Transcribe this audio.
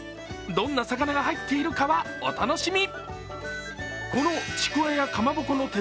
どんな魚が入っているかはお楽しみ！